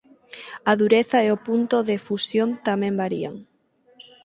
A dureza e o punto de fusión tamén varía